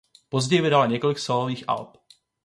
Později vydala několik sólových alb.